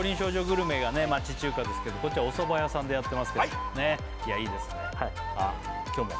グルメが町中華ですけどこっちはおそば屋さんでやってますけどねいやいいですねあっ今日も？